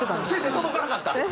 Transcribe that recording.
先生に届かなかった？